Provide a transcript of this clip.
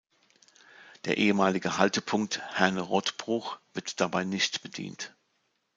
Der ehemalige Haltepunkt "Herne-Rottbruch" wird dabei nicht bedient.